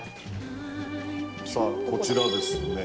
さあこちらですね